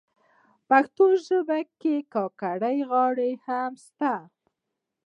پښتو ژبه کي کاکړۍ غاړي هم سته.